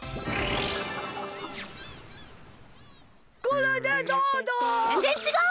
これでどうだ！